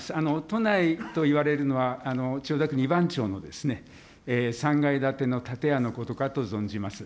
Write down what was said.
都内といわれるのは、千代田区２番丁の３階建ての建屋のことかと存じます。